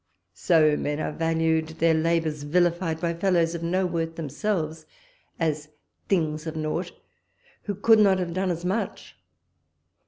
So men are valued; their labours vilified by fellowes of no worth themselves, as things of nought: Who could not have done as much?